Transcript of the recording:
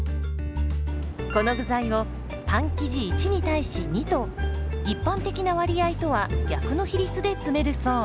この具材をパン生地１に対し２と一般的な割合とは逆の比率で詰めるそう。